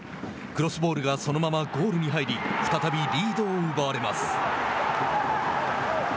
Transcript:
クロスボールがそのままゴールに入り再びリードを奪われます。